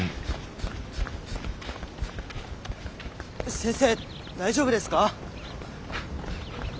先生大丈夫ですか？